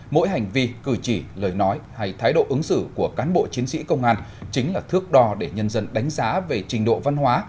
mỗi hành vi cử chỉ lời nói hay thái độ ứng xử của cán bộ chiến sĩ công an chính là thước đo để nhân dân đánh giá về trình độ văn hóa